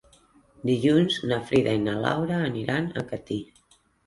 Dilluns na Frida i na Laura aniran a Catí.